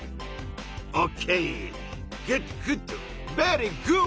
オッケー！